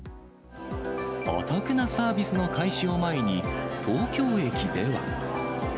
お得なサービスの開始を前に、東京駅では。